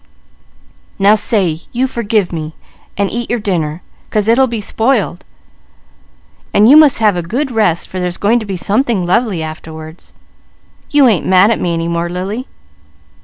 Now say you forgive me, and eat your dinner, 'cause it will be spoiled, and you must have a good rest, for there's going to be something lovely afterward. You ain't mad at me any more, Lily?"